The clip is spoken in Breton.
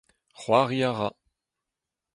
C'hoari a ra.